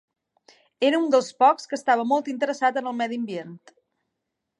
Era un dels pocs que estava molt interessat en el medi ambient.